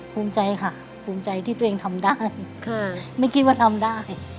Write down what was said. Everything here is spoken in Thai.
ภูมิใจค่ะภูมิใจที่ตัวเองทำได้ไม่คิดว่าทำได้